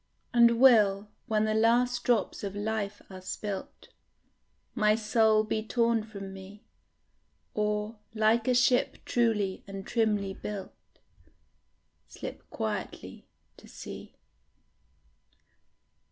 And will, when the last drops of life are spilt, My soul be torn from me, Or, like a ship truly and trimly built, Slip quietly to sea?